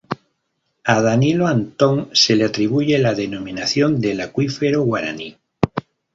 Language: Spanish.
A Danilo Antón se le atribuye la denominación del acuífero Guaraní.